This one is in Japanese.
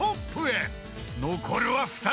［残るは２人。